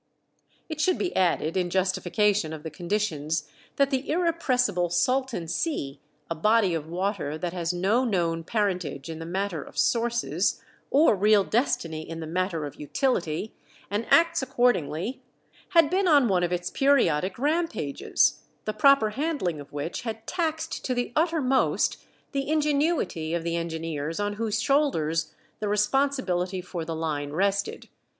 It should be added in justification of the conditions that the irrepressible Salton Sea, a body of water that has no known parentage in the matter of sources, or real destiny in the matter of utility, and acts accordingly, had been on one of its periodic rampages, the proper handling of which had taxed to the uttermost the ingenuity of the engineers on whose shoulders the responsibility for the line rested.